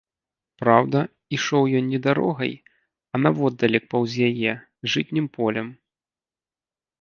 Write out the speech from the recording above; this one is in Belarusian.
Праўда, ішоў ён не дарогай, а наводдалек паўз яе, жытнім полем.